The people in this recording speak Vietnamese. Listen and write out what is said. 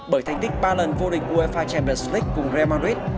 bởi thành tích ba lần vô địch uefa champions league cùng real madrid